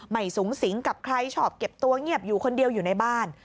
สูงสิงกับใครชอบเก็บตัวเงียบอยู่คนเดียวอยู่ในบ้าน